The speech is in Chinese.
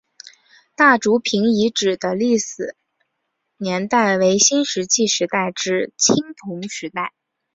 大族坪遗址的历史年代为新石器时代至青铜时代。